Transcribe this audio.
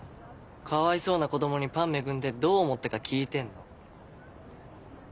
かわいそうな子供にパン恵んでどう思ったか聞いてんの。